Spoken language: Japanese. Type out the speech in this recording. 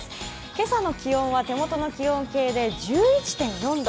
今朝の気温は手元の気温計で１１．４度。